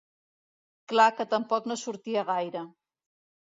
Clar que tampoc no sortia gaire.